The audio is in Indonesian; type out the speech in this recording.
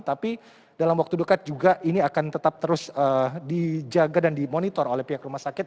tapi dalam waktu dekat juga ini akan tetap terus dijaga dan dimonitor oleh pihak rumah sakit